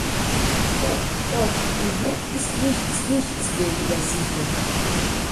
Doch in Wirklichkeit ist nichts weniger sicher.